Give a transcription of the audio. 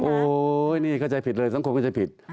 โอ้โหนี่เข้าใจผิดเลยสังคมเข้าใจผิด